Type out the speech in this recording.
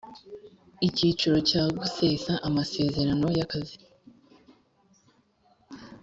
Icyiciro cya gusesa amasezerano y akazi